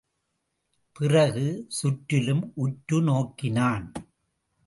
பிறகு சுற்றிலும் உற்று நோக்கினான்.